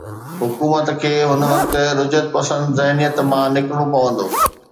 حڪومت کي هن وقت رجعت پسند ذهنيت مان نڪرڻو پوندو.